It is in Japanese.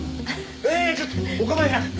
いえいえちょっとお構いなく！